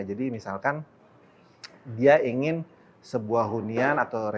jadi misalkan dia ingin sebuah hunian atau residensial